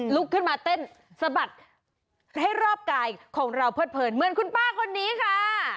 ลุกขึ้นมาเต้นสะบัดให้รอบกายของเราเพิดเผินเหมือนคุณป้าคนนี้ค่ะ